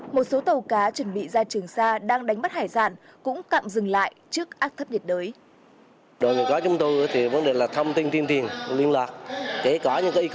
một số tàu cá chuẩn bị ra trường sa đang đánh bắt hải sản cũng cạm dừng lại trước áp thấp nhiệt đới